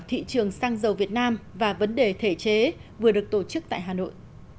thị trường xăng dầu việt nam và vấn đề thể chế vừa được tổ chức tại hà nội